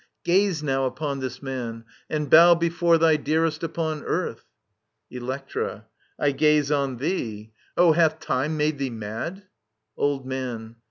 Gaze now upon this man, and bow before Thy dearest upon earth I Electra. I gaze on t h e e I O, hath time made thee mad i Old Man.